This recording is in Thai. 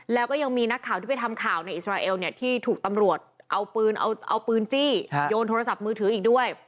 แล้วก็ยังมีนักข่าวที่ไปทำข่าวในอิสราเอลเนี่ยที่ถูกตำรวจเอาปืนเอาปืนจี้โยนโทรศัพท์มือถืออีกด้วย